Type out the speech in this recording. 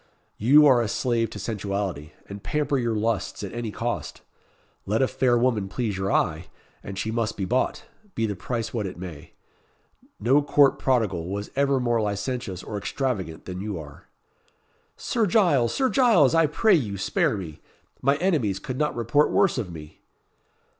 You are a slave to sensuality, and pamper your lusts at any cost. Let a fair woman please your eye, and she must be bought, be the price what it may. No court prodigal was ever more licentious or extravagant than you are." "Sir Giles! Sir Giles! I pray you, spare me. My enemies could not report worse of me."